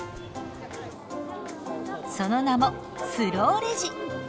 その名も「スローレジ」。